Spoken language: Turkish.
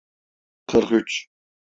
Kırk üç.